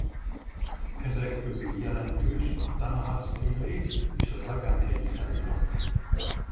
Ezek közül jelentős a Tanahat-sztélé és a Zagan-hegyi felirat.